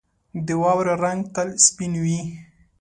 • د واورې رنګ تل سپین وي.